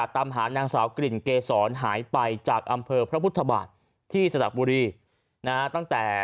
ตามหานางสาวกลิ่นเกษรหายไปจากอำเภอพระพุทธบาทที่สระบุรีตั้งแต่